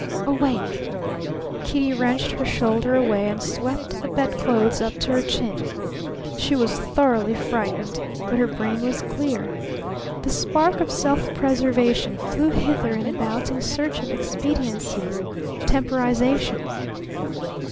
Awake! Kitty wrenched her shoulder away and swept the bedclothes up to her chin. She was thoroughly frightened, but her brain was clear. The spark of self preservation flew hither and about in search of expediencies, temporizations.